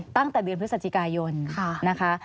ตั้งแต่เดือนพฤศจิกายนนะคะ